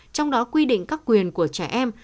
trong đó quy định các quyền của trẻ em